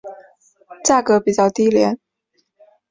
价格比较低廉。